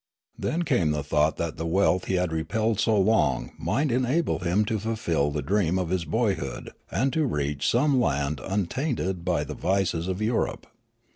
Then came the thought that the wealth he had repelled so long might enable him to fulfil the dream of his boyhood, and to reach some land untainted by the vices of Europe.